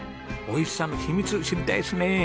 おいしさの秘密知りたいですね。